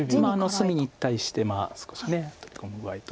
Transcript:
隅に対して少し飛び込む場合と。